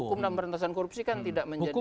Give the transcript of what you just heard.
hukum dan perintasan korupsi kan tidak menjadi faktor